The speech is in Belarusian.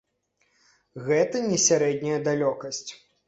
Гэта не сярэдняя далёкасць.